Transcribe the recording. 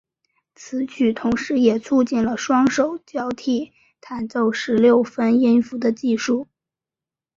此曲同时也促进了双手交替弹奏十六分音符的技术。